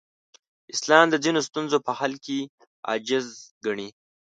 اسلام د ځینو ستونزو په حل کې عاجز ګڼي.